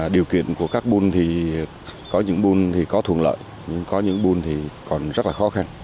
điều kiện của các bùn thì có những bùn có thuận lợi nhưng có những bùn còn rất khó khăn